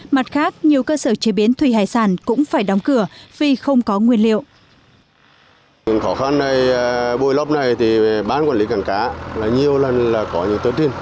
mặt khác nhiều cơ sở chế biến thủy hải sản cũng phải đóng cửa vì không có nguyên liệu